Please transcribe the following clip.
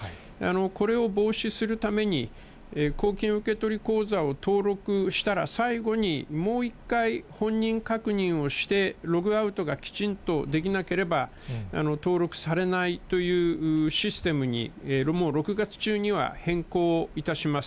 これを防止するために、公金受取口座を登録したら、最後にもう一回、本人確認をして、ログアウトがきちんとできなければ登録されないというシステムに、６月中には変更いたします。